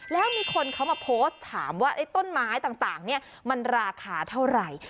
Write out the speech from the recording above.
แล้วมีคนเขามาโพสต์ถามว่าไอ้ต้นไม้ต่างเนี่ยมันราคาเท่าไหร่